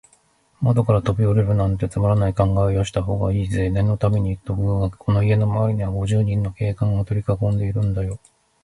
窓からとびおりるなんて、つまらない考えはよしたほうがいいぜ。念のためにいっておくがね、この家のまわりは、五十人の警官がとりかこんでいるんだよ。